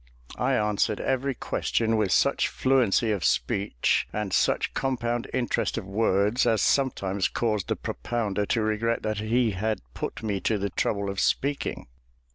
I answered every question with such fluency of speech, and such compound interest of words, as sometimes caused the propounder to regret that he had put me to the trouble of speaking.